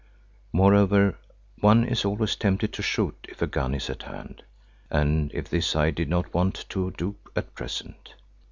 Moreover, one is always tempted to shoot if a gun is at hand, and this I did not want to do at present.